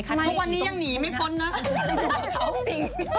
เพราะวันนี้ยังหนีไม่พ้นนะ